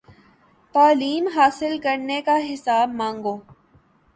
تعلیم حاصل کرنے کا حساب مانگو